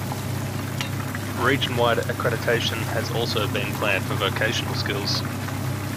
Region-wide accreditation has also been planned for vocational skills.